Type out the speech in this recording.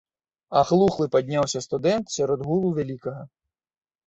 Аглухлы падняўся студэнт сярод гулу вялікага.